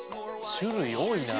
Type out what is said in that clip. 種類多いな。